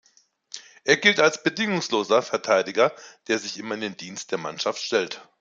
Er gilt als bedingungsloser Verteidiger, der sich immer in den Dienst der Mannschaft stellt.